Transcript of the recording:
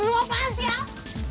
gue apaan siap